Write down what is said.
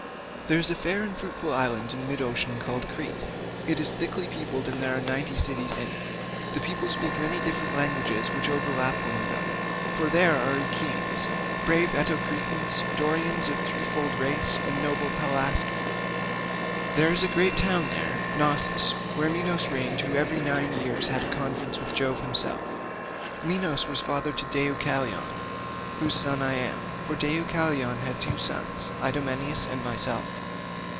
There is a fair and fruitful island in mid ocean called Crete; it is thickly peopled and there are ninety cities in it: the people speak many different languages which overlap one another, for there are Achaeans, brave Eteocretans, Dorians of three fold race, and noble Pelasgi. There is a great town there, Cnossus, where Minos reigned who every nine years had a conference with Jove himself.152 Minos was father to Deucalion, whose son I am, for Deucalion had two sons Idomeneus and myself.